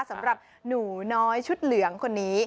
สำหรับหนูน้อยชุดเหลืองคนนี้